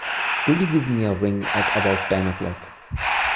Could you give me a ring at about ten o'clock?